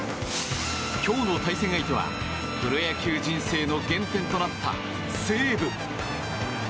今日の対戦相手はプロ野球人生の原点となった西武。